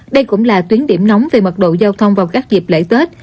đây cũng là tuyến điểm nóng về mật độ giao thông vào các dịp lễ tết